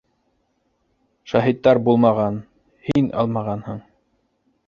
Шаһиттар булмаған, һин алмағанһың